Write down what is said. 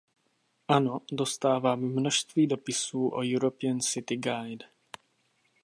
Ano, dostávám množství dopisů o European City Guide.